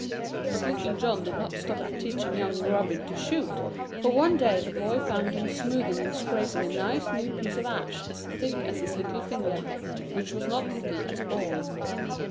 But Little John did not stop at teaching young Robin to shoot, for one day the boy found him smoothing and scraping a nice new piece of ash as thick as his little finger, which was not little at all.